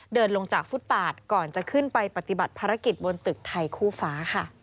เดินลงจากฟุตปาดก่อนจะขึ้นไปปฏิบัติภารกิจบนตึกไทยคู่ฟ้าค่ะ